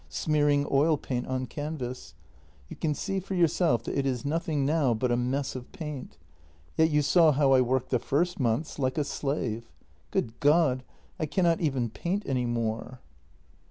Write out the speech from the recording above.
Smearing oil paint on canvas? You can see for yourself that it is nothing now but a mess of paint. Yet you saw how I worked the first months — like a slave. Good God ! I cannot even paint any more."